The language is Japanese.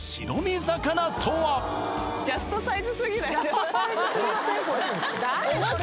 ジャストサイズすぎません？